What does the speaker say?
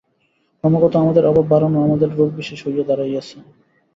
ক্রমাগত আমাদের অভাব বাড়ানো আমাদের রোগবিশেষ হইয়া দাঁড়াইয়াছে।